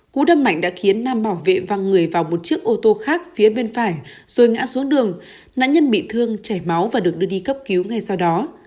cú đâm mạnh đã khiến nam bảo vệ văng người vào một chiếc ô tô khác phía bên phải rồi ngã xuống đường nạn nhân bị thương chảy máu và được đưa đi cấp cứu ngay sau đó